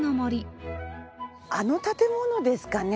あの建物ですかね？